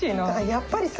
やっぱりさ。